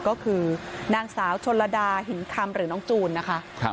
ก็คือนางสาวชนลดาหินคำหรือน้องจูนนะคะ